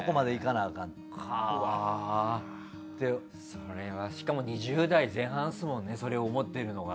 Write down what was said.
それはしかも２０代前半ですもんねそれ思ってるのが。